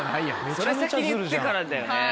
それ先に言ってからだよね。